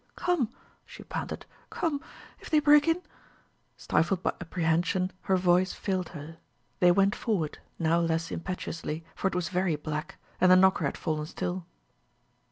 "Come!" she panted. "Come! If they break in " Stifled by apprehension, her voice failed her. They went forward, now less impetuously, for it was very black; and the knocker had fallen still.